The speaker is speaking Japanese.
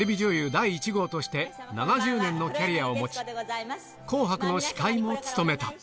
第一号として、７０年のキャリアを持ち、紅白の司会も務めた。